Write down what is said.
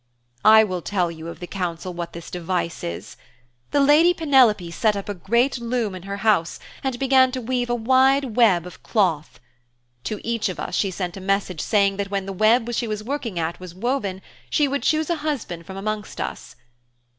'I will tell you of the council what this device is. The lady Penelope set up a great loom in her house and began to weave a wide web of cloth. To each of us she sent a message saying that when the web she was working at was woven, she would choose a husband from amongst us.